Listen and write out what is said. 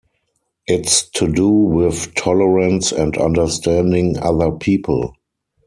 It's to do with tolerance and understanding other people.